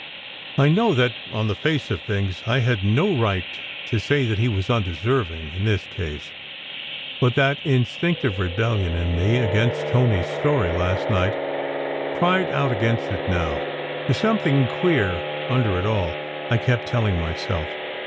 I know that on the face of things I had no right to say that he was "undeserving," in this case; but that instinctive rebellion in me against Tony s story last night cried out against it now. "There s some thing queer under it all," I kept telling myself.